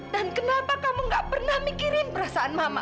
dan kenapa kamu tidak pernah mikirin perasaan mama